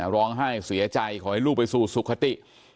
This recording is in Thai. ร้องไห้เสียใจขอให้ลูกไปสู่สุขติ